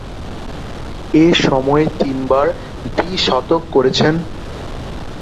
এ সময়ে তিনবার দ্বি-শতক করেছেন।